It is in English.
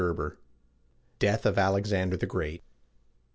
CIII. DEATH OF ALEXANDER THE GREAT.